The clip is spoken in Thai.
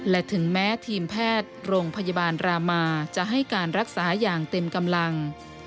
และถึงแม้ทีมแพทย์โรงพยาบาลรามาจะให้การรักษาอย่างเต็มกำลัง